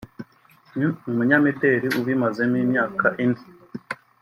ni umunyamideli ubimazemo imyaka ine